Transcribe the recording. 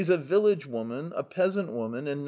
A village woman, a peasant; that's all.